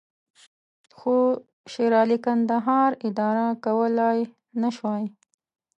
خو شېرعلي کندهار اداره کولای نه شوای.